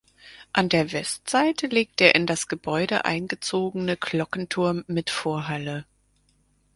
An der Westseite liegt der in das Gebäude eingezogene Glockenturm mit Vorhalle.